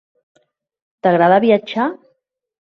T'agrada viatjar?